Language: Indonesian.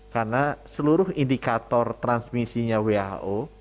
karena seluruh indikator transmisinya who